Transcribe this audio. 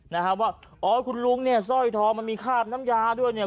นะฮะว่าอ๋อคุณลุงเนี่ยสร้อยทองมันมีคราบน้ำยาด้วยเนี่ย